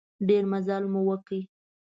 ډېر مزل مو وکړ.